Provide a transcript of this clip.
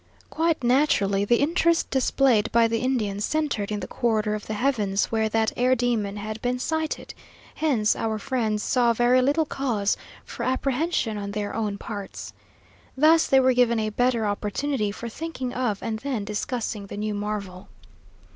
Quite naturally the interest displayed by the Indians centred in the quarter of the heavens where that air demon had been sighted, hence our friends saw very little cause for apprehension on their own parts. Thus they were given a better opportunity for thinking of and then discussing the new marvel.